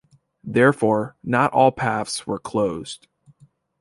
Therefore, not all "paths" were closed.